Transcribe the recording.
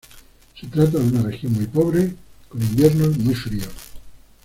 Se trata de una región muy pobre, con inviernos muy fríos.